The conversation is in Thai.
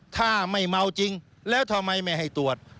ถ้าไม่เมาจริงแล้วทำไมไม่ให้ตรวจ